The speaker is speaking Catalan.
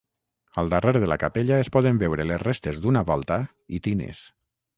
Al darrere de la capella es poden veure les restes d'una volta i tines.